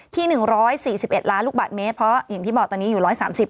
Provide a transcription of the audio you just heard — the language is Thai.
ที่๑๔๑ล้านลูกบาทเมตรเพราะอย่างที่บอกตอนนี้อยู่๑๓๐